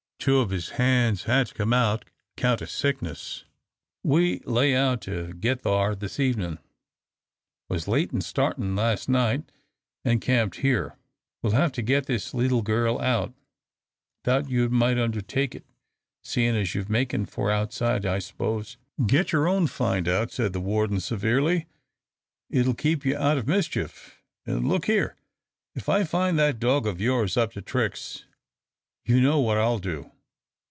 Two of his hands had to come out 'count o' sickness. We lay out to git thar this evenin'. Was late in startin' last night, an' camped here. We'll hev to git this leetle gal out, 'thout you might undertake it, seein' as you're makin' for outside, I s'pose." "Get your own find out," said the warden, severely; "it will keep you out of mischief, and look here if I find that dog of yours up to tricks, you know what I'll do."